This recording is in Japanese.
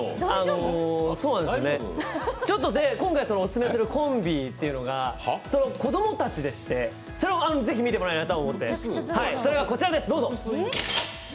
今回オススメするコンビというのがその子供たちでして、それをぜひ見てもらいたいなと思って、それがこちらです。